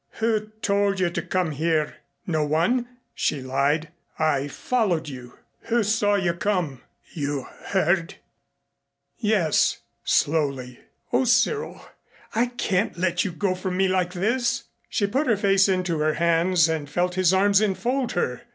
"Who told you to come here?" "No one," she lied. "I followed you." "Who saw you come? You heard?" "Yes " slowly. "O Cyril I can't let you go from me like this " She put her face to her hands and felt his arms enfold her.